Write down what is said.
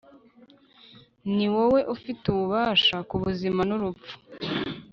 ni wowe ufite ububasha ku buzima n'urupfu